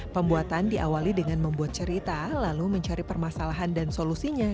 pembuatan diawali dengan membuat cerita lalu mencari permasalahan dan solusinya